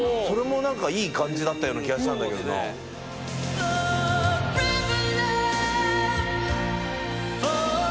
それも何かいい感じだったような気がしたんだけどな。